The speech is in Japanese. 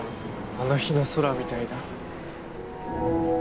あの日の空みたいだ。